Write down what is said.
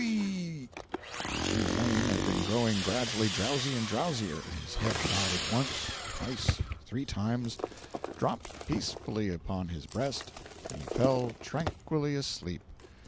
jpg (111K) Jim Blaine had been growing gradually drowsy and drowsier—his head nodded, once, twice, three times—dropped peacefully upon his breast, and he fell tranquilly asleep.